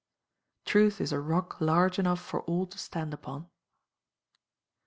[TRUTH IS A ROCK LARGE ENOUGH FOR ALL TO STAND UPON.